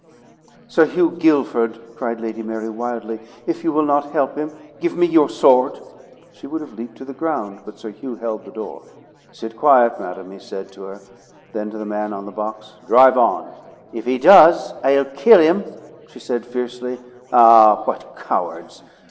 "Sir Hugh Guilford!" cried Lady Mary wildly, "if you will not help him, give me your sword!" She would have leaped to the ground, but Sir Hugh held the door. "Sit quiet, madam," he said to her; then, to the man on the box, "Drive on." "If he does, I'll kill him!" she said fiercely. "Ah, what cowards!